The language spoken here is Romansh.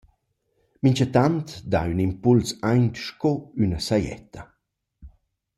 Minchatant dà ün impuls aint sco üna sajetta.